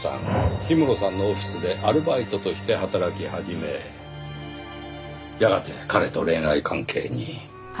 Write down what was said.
氷室さんのオフィスでアルバイトとして働き始めやがて彼と恋愛関係に。